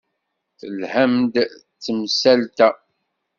Telham-d s temsalt-a.